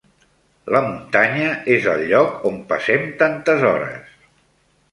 La muntanya és el lloc on passem tantes hores.